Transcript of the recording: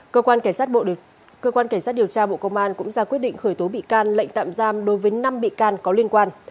cơ quan cảnh sát điều tra bộ công an cũng ra quyết định khởi tố bị can lệnh tạm giam đối với năm bị can có liên quan